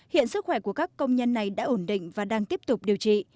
hiện sức khỏe của các công nhân này đã ổn định và đang tiếp tục điều trị